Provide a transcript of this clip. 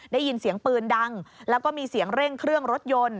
ได้ยินเสียงปืนดังแล้วก็มีเสียงเร่งเครื่องรถยนต์